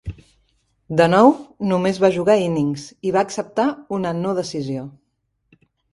De nou, només va jugar "innings", i va acceptar una no-decisió.